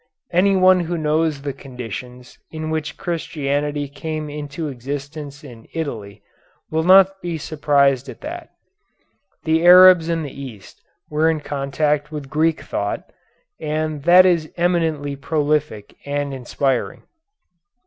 Anyone who knows the conditions in which Christianity came into existence in Italy will not be surprised at that. The Arabs in the East were in contact with Greek thought, and that is eminently prolific and inspiring.